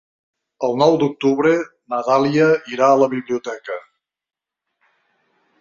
El nou d'octubre na Dàlia irà a la biblioteca.